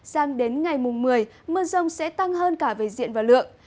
sang đến ngày mùng một mươi mưa rông sẽ tăng hơn cả về diện và lượng